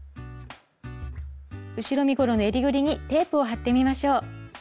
後ろ身ごろの襟ぐりにテープを貼ってみましょう。